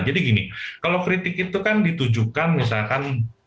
jadi gini kalau kritik itu kan ditujukan misalkan